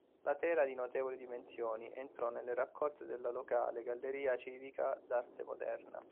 La tela, di notevoli dimensioni, entrò nelle raccolte della locale Galleria civica d'arte moderna.